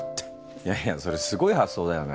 いやいやそれすごい発想だよね。